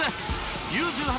Ｕ１８